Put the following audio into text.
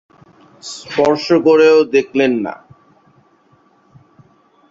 স্পর্শ করেও দেখলেন না।